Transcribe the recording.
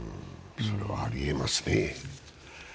それはありえますね。